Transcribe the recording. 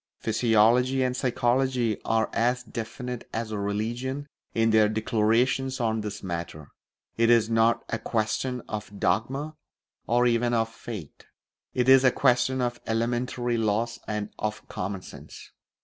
Physiology and psychology are as definite as religion in their declarations on this matter; it is not a question of dogma or even of faith; it is a question of elementary laws and of common sense.